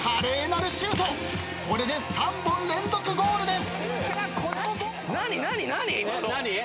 ［これで３本連続ゴールです］